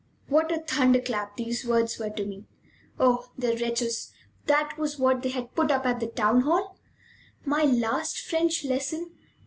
What a thunder clap these words were to me! Oh, the wretches; that was what they had put up at the town hall! My last French lesson!